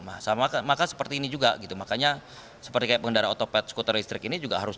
sama maka seperti ini juga gitu makanya seperti kayak pengendara otopet skuter listrik ini juga harus